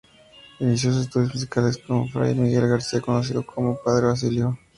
Inició sus estudios musicales con Fray Miguel García, conocido como "Padre Basilio".